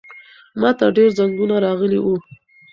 ماته ډېر زنګونه راغلي وو.